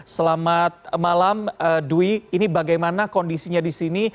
selamat malam dwi ini bagaimana kondisinya di sini